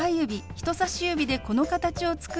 人さし指でこの形を作り